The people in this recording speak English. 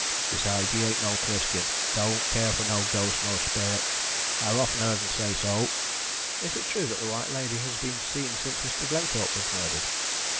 Besides, he ain't no Christian, down't care for no ghosts nor sperrits. I've often heerd un say so." "Is it true that the White Lady has been seen since Mr. Glenthorpe was murdered?"